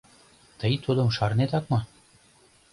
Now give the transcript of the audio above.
Тый тудым шарнетак мо?